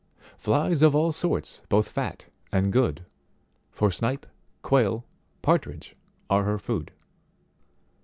Flies of all sorts both fat and good, For snipe, quail, partridge are her food.